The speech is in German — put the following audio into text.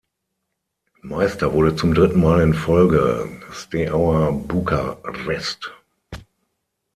Meister wurde zum dritten Mal in Folge Steaua Bukarest.